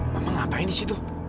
mama ngapain di situ